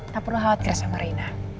tak perlu khawatir sama rina